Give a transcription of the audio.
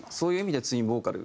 実はツインボーカル。